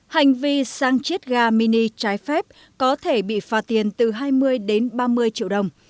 hành vi săn chết ga mini trái phép có thể bị pha tiền từ hai mươi đến ba mươi triệu đồng